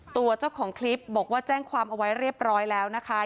ตัวเจ้าของคลิปบอกว่าแจ้งความเอาไว้เรียบร้อยแล้วนะคะ